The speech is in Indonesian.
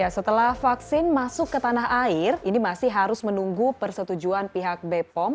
setelah vaksin masuk ke tanah air ini masih harus menunggu persetujuan pihak bepom